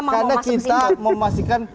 karena kita memastikan